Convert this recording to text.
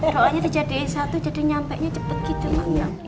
rolanya tuh jadi satu jadi nyampenya cepet gitu lah